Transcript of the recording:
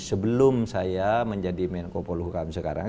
sebelum saya menjadi menko poluhukam sekarang